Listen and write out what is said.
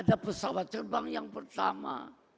ada pesawat terbang yang pertama